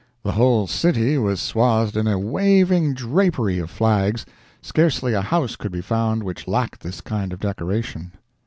The whole city was swathed in a waving drapery of flags—scarcely a house could be found which lacked this kind of decoration.